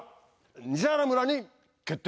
西原村に決定。